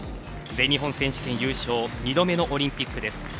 全日本選手権優勝２度目のオリンピックです。